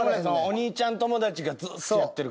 お兄ちゃん友達がずっとやってるから。